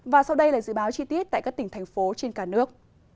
và sau đây là dự báo chi tiết tại các tỉnh thành phố trên cả nước